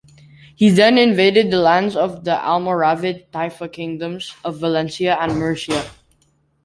He then invaded the lands of the Almoravid taifa kingdoms of Valencia and Murcia.